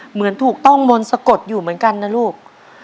เหมือนถูกต้องมนต์สะกดอยู่เหมือนกันนะลูก